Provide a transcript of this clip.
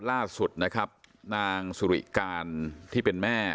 ล่าสุดนะครับนางสุริการที่เป็นแม่